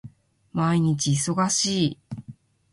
毎日忙しい